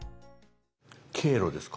「経路」ですか？